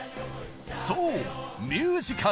そうミュージカル！